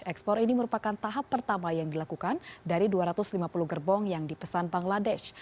ekspor ini merupakan tahap pertama yang dilakukan dari dua ratus lima puluh gerbong yang dipesan bangladesh